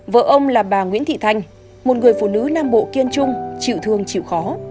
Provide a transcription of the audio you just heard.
vợ ông là bà nguyễn thị thanh một người phụ nữ nam bộ kiên trung chịu thương chịu khó